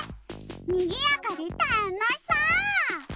にぎやかでたのしそう！